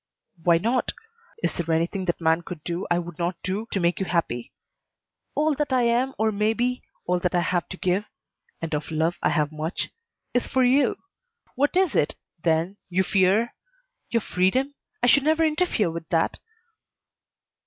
"Why not? Is there anything that man could do I would not do to make you happy? All that I am or may be, all that I have to give and of love I have much is for you. What is it, then, you fear? Your freedom? I should never interfere with that."